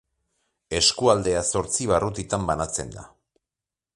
Eskualdea zortzi barrutitan banatzen da.